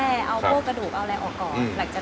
เอากะดูกเอาอะไรออกก่อนหลังจากนั้นเราก็จะบด